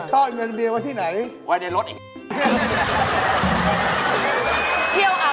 ร่องจริงโอ๊ยทุกคนนะครับ